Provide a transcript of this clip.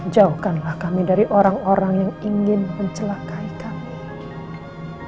jauhkanlah kami dari orang orang yang ingin mencelakai kami